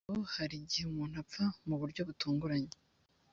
yakobo hari igihe umuntu apfa mu buryo butunguranye